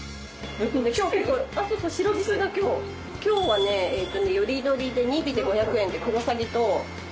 よりどりで２尾で５００円でクロサギと。